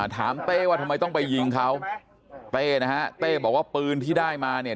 เต้ว่าทำไมต้องไปยิงเขาเต้นะฮะเต้บอกว่าปืนที่ได้มาเนี่ย